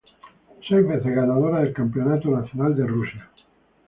Seis veces ganadora del Campeonato Nacional de Rusia.